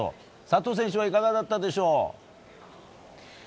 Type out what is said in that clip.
佐藤選手はいかがだったでしょう。